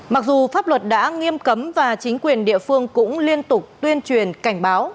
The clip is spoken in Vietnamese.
mặc dù pháp luật đã nghiêm cấm và chính quyền địa phương cũng liên tục tuyên truyền cảnh báo